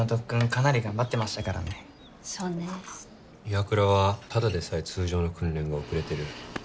岩倉はただでさえ通常の訓練が遅れてる。